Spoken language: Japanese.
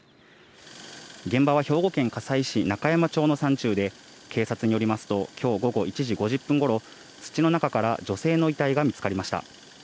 現場は兵庫県加西市中山町の山中で、警察によりますと、きょう午後１時５０分ごろ、土の中から女性の遺体が見つかりました。